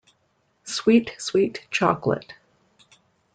Sweet, sweet chocolate.